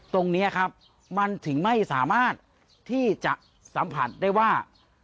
ตรงนี้ครับมันถึงไม่สามารถที่จะสัมผัสได้ว่า